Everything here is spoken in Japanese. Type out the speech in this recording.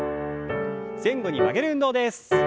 前後に曲げる運動です。